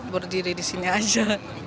berdiri disini aja